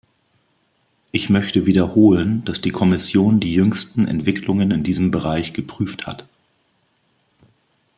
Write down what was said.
Ich möchte wiederholen, dass die Kommission die jüngsten Entwicklungen in diesem Bereich geprüft hat.